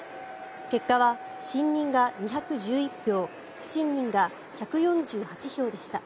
結果は信任が２１１票不信任が１４８票でした。